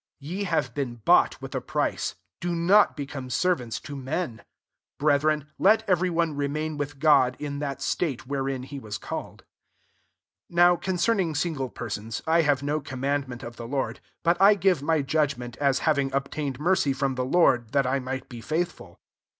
23 e have been bought with a *ice; do not become servants to en. 524 Brethren, let every one attain with God in that 9tate herein he was called. 25 Now coneeniing single arsons, I have no command ent of the Lord : but I give y judgment, as having ob ined mercy from the Lord, At X might be faithful.